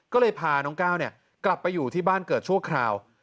ก็เลยพาน้องก้าวกลับไปอยู่ที่บ้านเกิดชั่วคราว